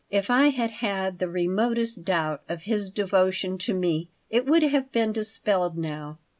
If I had had the remotest doubt of his devotion to me it would have been dispelled now.